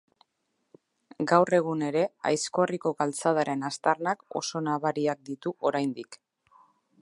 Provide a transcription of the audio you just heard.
Gaur egun ere, Aizkorriko galtzadaren aztarnak oso nabariak ditu oraindik.